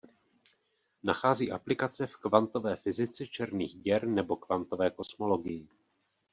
Nachází aplikace v kvantové fyzice černých děr nebo kvantové kosmologii.